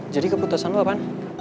jadi keputusan lu apaan